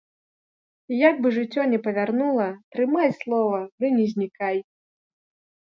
Як бы жыццё не павярнула, трымай слова ды не знікай!